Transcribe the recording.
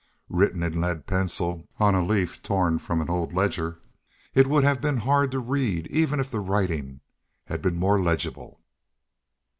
Written in lead pencil on a leaf torn from an old ledger, it would have been hard to read even if the writing had been more legible.